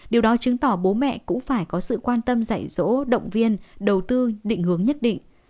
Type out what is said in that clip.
điều đó chứng tỏ bố mẹ cũng phải có sự quan tâm dạy dỗ động viên đầu tư định hướng nhất định